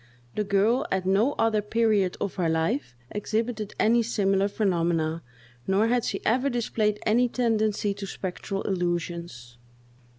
The girl at no other period of her life exhibited any similar phenomena, nor had she ever displayed any tendency to spectral illusions.